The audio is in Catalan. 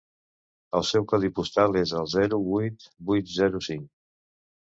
El seu codi postal és el zero vuit vuit zero cinc.